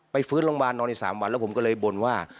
ฟื้นโรงพยาบาลนอนใน๓วันแล้วผมก็เลยบ่นว่า